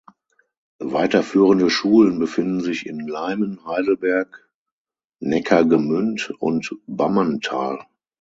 Weiterführende Schulen befinden sich in Leimen, Heidelberg, Neckargemünd und Bammental.